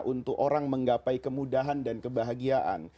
untuk orang menggapai kemudahan dan kebahagiaan